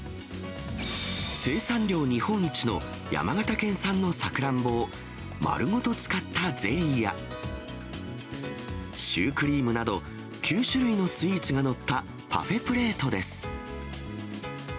生産量日本一の山形県産のさくらんぼを、丸ごと使ったゼリーや、シュークリームなど９種類のスイーツが載ったパフェプレートです。